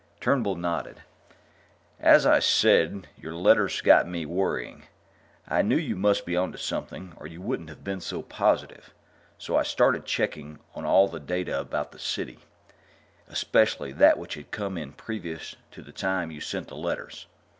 Turnbull nodded. "As I said, your letters got me worrying. I knew you must be on to something or you wouldn't have been so positive. So I started checking on all the data about the City especially that which had come in just previous to the time you sent the letters.